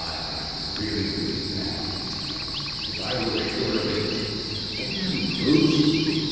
if I could really believe that!" he exclaimed; "if I were sure of it! Have you any proofs?"